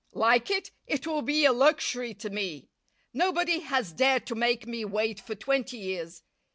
"Like it? It will be a luxury to me. Nobody has dared to make me wait for twenty years.